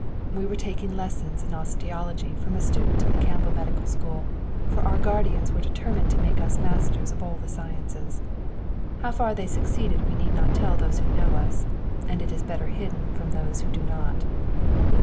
We were taking lessons in osteology from a student in the Campbell Medical School, for our guardians were determined to make us masters of all the sciences. How far they succeeded we need not tell those who know us; and it is better hidden from those who do not.